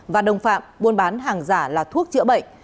và đồng phạm buôn bán hàng giả là thuốc chữa bệnh